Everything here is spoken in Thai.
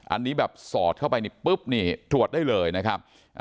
อันนี้แบบสอดเข้าไปนี่ปุ๊บนี่ตรวจได้เลยนะครับ